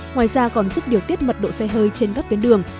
ngoài ra còn giúp điều tiết mật độ xe hơi trên các tuyến đường